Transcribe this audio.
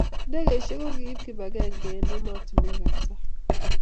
Ndegeishek ko koip kibag'eng'e eng ematinwek ab sang'